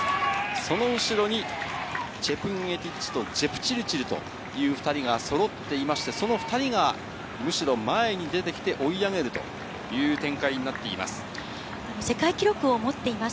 その後ろにチェプンゲティッチとジェプチルチルという２人がそろっていまして、その２人がむしろ前に出てきて追い上げるという展世界記録を持っています